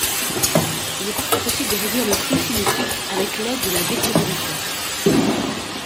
Il est parfois possible de réduire le flou cinétique avec l'aide de la déconvolution.